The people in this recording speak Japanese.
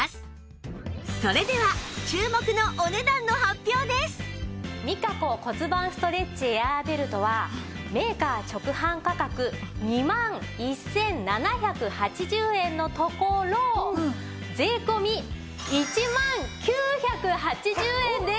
それでは Ｍｉｃａｃｏ 骨盤ストレッチエアーベルトはメーカー直販価格２万１７８０円のところ税込１万９８０円です。